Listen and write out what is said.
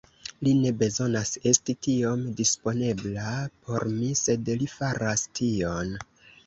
Li ne bezonas esti tiom disponebla por mi, sed li faras tion.